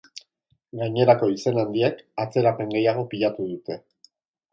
Gainerako izen handiek atzerapen gehiago pilatu dute.